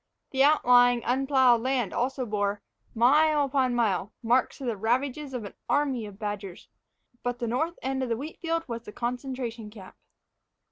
The outlying, unplowed land also bore, mile upon mile, marks of the ravages of an army of badgers; but the north end of the wheat field was the concentration camp.